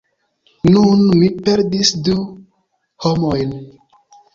Nun mi perdis du homojn!